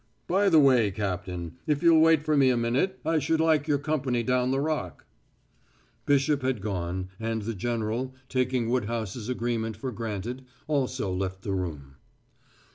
"By the way, Captain, if you'll wait for me a minute I should like your company down the Rock." Bishop had gone, and the general, taking Woodhouse's agreement for granted, also left the room.